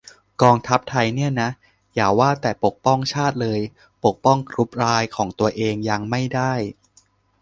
"กองทัพไทยเนี่ยนะ อย่าว่าแต่ปกป้องชาติเลย ปกป้องกรุ๊ปไลน์ของตัวเองยังไม่ได้"